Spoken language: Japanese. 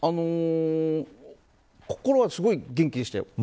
心は、すごい元気でしたよ。